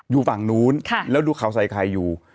อยู่ฝั่งนู้นแล้วดูข่าวใส่ไข่อยู่